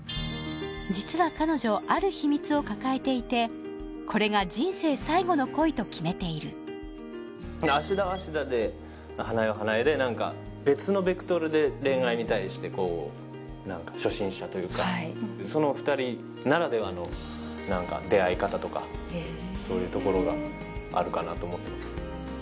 実は彼女ある秘密を抱えていてこれが人生最後の恋と決めている芦田は芦田で花枝は花枝で何か別のベクトルで恋愛に対してこう何か初心者というかその２人ならではの何か出会い方とかそういうところがあるかなと思ってます